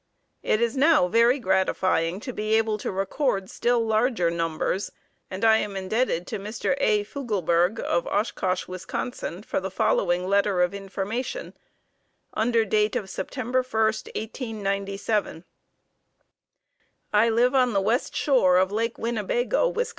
It is now very gratifying to be able to record still larger numbers and I am indebted to Mr. A. Fugleberg of Oshkosh, Wis., for the following letter of information, under date of September 1, 1897: "I live on the west shore of Lake Winnebago, Wis.